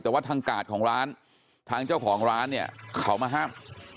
แต่ว่าทางกาดของร้านทางเจ้าของร้านเนี่ยเขามาห้าม